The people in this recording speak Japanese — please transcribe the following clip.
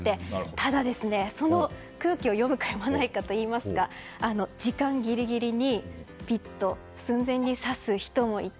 ただ、その空気を読むか読まないかといいますか時間ギリギリにピッと、寸前に指す人もいて。